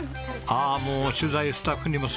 ああもう取材スタッフにも。